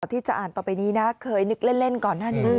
ที่จะอ่านต่อไปนี้นะเคยนึกเล่นก่อนหน้านี้